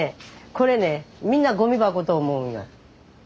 これねみんなゴミ箱と思うんよ。